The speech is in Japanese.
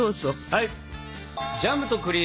はい。